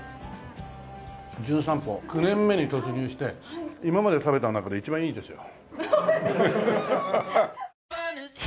『じゅん散歩』９年目に突入して今まで食べた中で一番いいですよ。